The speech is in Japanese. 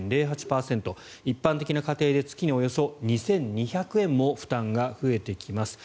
一般的な家庭で月におよそ２２００円も負担が増えてきます。